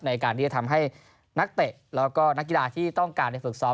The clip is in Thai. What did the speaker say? ในการที่จะทำให้นักเตะแล้วก็นักกีฬาที่ต้องการในฝึกซ้อม